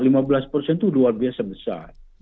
lima belas itu luar biasa besar